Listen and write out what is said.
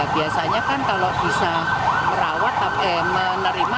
biasanya kan kalau bisa merawat menerima